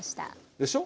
でしょ。